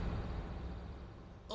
あ。